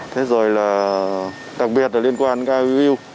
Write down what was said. thế rồi là đặc biệt liên quan auu